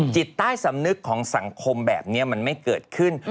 จิตใต้สำนึกของสังคมแบบนี้มันไม่เกิดขึ้น